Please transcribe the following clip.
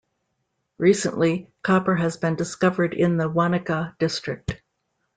Recently, copper has been discovered in the Wanica district.